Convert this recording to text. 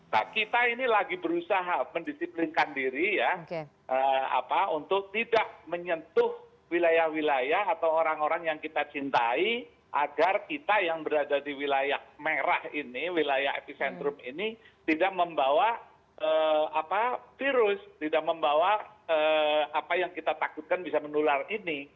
nah kita ini lagi berusaha mendisiplinkan diri ya untuk tidak menyentuh wilayah wilayah atau orang orang yang kita cintai agar kita yang berada di wilayah merah ini wilayah epicentrum ini tidak membawa virus tidak membawa apa yang kita takutkan bisa menular ini